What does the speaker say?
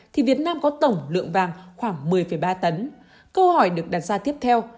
thì việt nam có tổng lượng vàng khoảng một mươi ba tấn câu hỏi được đặt ra tiếp theo